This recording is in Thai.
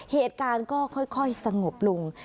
เหตุการณ์ก็ค่อยสงบลง